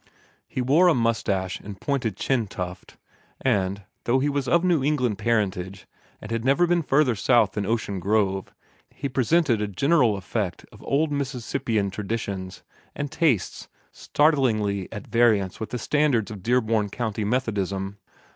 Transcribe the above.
He wore a mustache and pointed chin tuft; and, though he was of New England parentage and had never been further south than Ocean Grove, he presented a general effect of old Mississippian traditions and tastes startlingly at variance with the standards of Dearborn County Methodism.